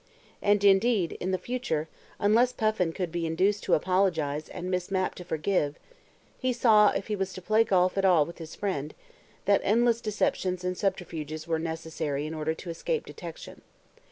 And, indeed, in the future, unless Puffin could be induced to apologize and Miss Mapp to forgive, he saw, if he was to play golf at all with his friend, that endless deceptions and subterfuges were necessary in order to escape detection.